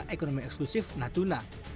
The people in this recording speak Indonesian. kepala ekonomi eksklusif natuna